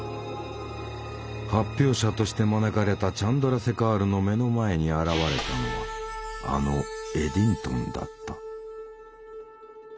発表者として招かれたチャンドラセカールの目の前に現れたのはあのエディントンだった。